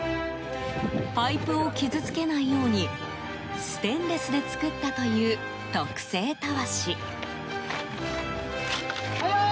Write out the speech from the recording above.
パイプを傷つけないようにステンレスで作ったという特製たわし。